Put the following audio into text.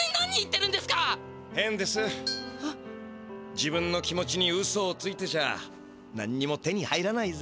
自分の気持ちにうそをついてちゃなんにも手に入らないぜ。